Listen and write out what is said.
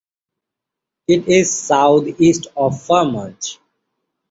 It is southeast of Fermont.